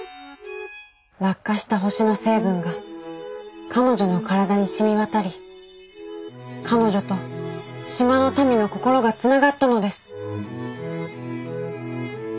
落下した星の成分が彼女の体にしみわたり彼女と島の民の心がつながったのです。